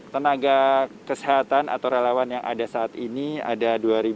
tenaga kesehatan atau relawan yang ada saat ini ada dua dua ratus lima puluh satu